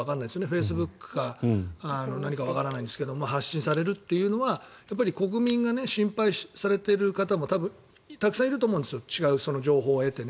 フェイスブックか何かわからないんですけど発信されるというのは国民が心配されている方も多分、たくさんいると思うんです違う情報を得て。